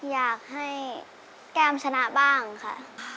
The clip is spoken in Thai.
อยากให้แก้มชนะบ้างค่ะ